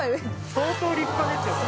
相当立派ですよ。